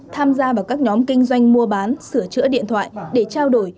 tham gia vào các nhóm kinh doanh mua bán sửa chữa điện thoại để trao đổi